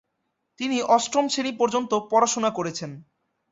তিনি অষ্টম শ্রেণী পর্যন্ত পড়াশুনা করেছেন।